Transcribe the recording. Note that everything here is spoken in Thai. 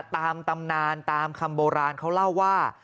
ตามตำนานตามคำโบราณเขาเล่าว่า